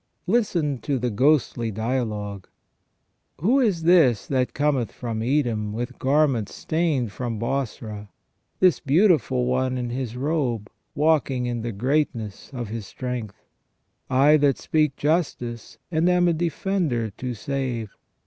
Listen to the ghostly dialogue :—Who is this that cometh from Edom with garments stained from Bosra ; this beautiful One in His robe, walking in the great ness of His strength ?" I that speak justice, and am a defender to save.